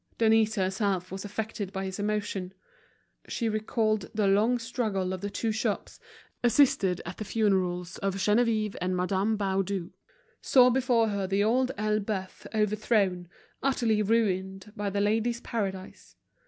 Denise herself was affected by this emotion. She recalled the long struggle of the two shops, assisted at the funerals of Geneviève and Madame Baudu, saw before her The Old Elbeuf overthrown, utterly ruined by The Ladies' Paradise.